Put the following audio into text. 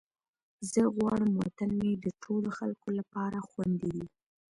زه غواړم وطن مې د ټولو خلکو لپاره خوندي وي.